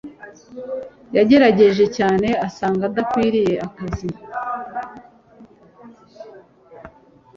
yagerageje cyane asanga adakwiriye akazi